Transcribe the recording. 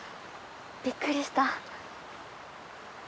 びっくりした。